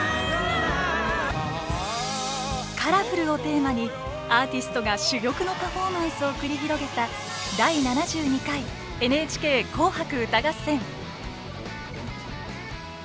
「ＣＯＬＯＲＦＵＬ」をテーマにアーティストが珠玉のパフォーマンスを繰り広げた第７２回「ＮＨＫ紅白歌合戦」。